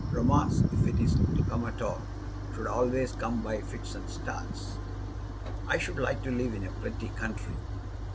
Romance, if it is to come at all, should always come by fits and starts." "I should like to live in a pretty country."